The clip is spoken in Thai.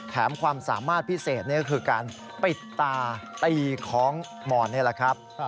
ความสามารถพิเศษนี่ก็คือการปิดตาตีของหมอนนี่แหละครับ